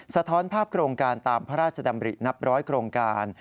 สะท้อนภาพโครงการตามพระราชดำรินับร้อยโครงการ